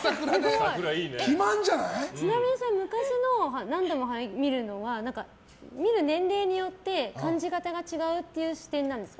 ちなみに昔のを何度も見るのは見る年齢によって感じ方が違うっていう視点なんですか？